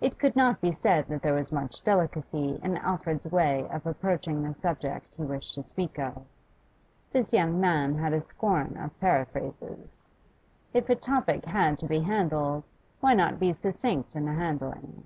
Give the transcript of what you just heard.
It could not be said that there was much delicacy in Alfred's way of approaching the subject he wished to speak of. This young man had a scorn of periphrases. If a topic had to be handled, why not be succinct in the handling?